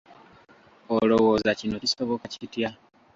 Olowooza kino kisoboka kitya?